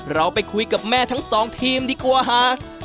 เราไปคุยกับแม่ทั้งสองทีมดีกว่าฮะ